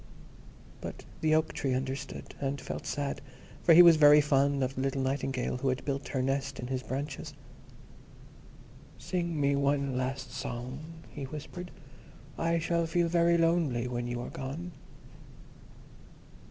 But the Oak tree understood, and felt sad, for he was very fond of the little Nightingale who had built her nest in his branches. "Sing me one last song," he whispered; "I shall feel very lonely when you are gone."